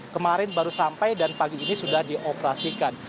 kemarin baru sampai dan pagi ini sudah dioperasikan